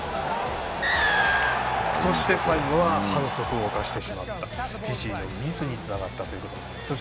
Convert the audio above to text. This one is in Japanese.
そして、最後は反則を犯してしまったフィジーのミスにつながったということで。